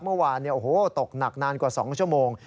เมื่อวานตกหนักนานกว่า๒ชั่วโมง